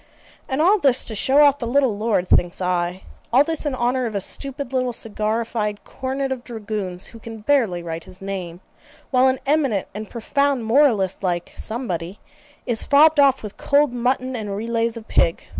And all this to show off the little lord, thinks I. All this in honour of a stupid little cigarrified Cornet of dragoons, who can barely write his name, while an eminent and profound moralist like somebody is fobbed off with cold mutton and relays of pig.